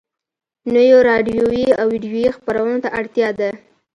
نويو راډيويي او ويډيويي خپرونو ته اړتيا ده.